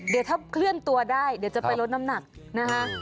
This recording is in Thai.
เดี๋ยวถ้าเคลื่อนตัวได้เดี๋ยวจะไปลดน้ำหนักนะคะ